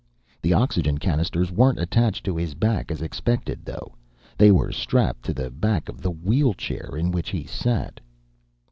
The oxygen cannisters weren't attached to his back as expected, though. They were strapped to the back of the wheelchair in which he sat.